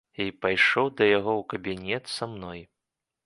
І пайшоў да яго ў кабінет са мной.